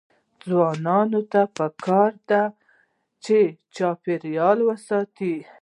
ځوانانو ته پکار ده چې، چاپیریال وساتي.